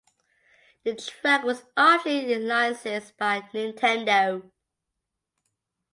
The track was officially licensed by Nintendo.